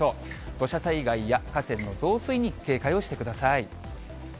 土砂災害や河川の増水に警戒をしてください。